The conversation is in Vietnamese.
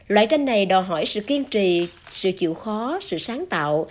loại tranh này đòi hỏi sự kiên trì sự chịu khó sự sáng tạo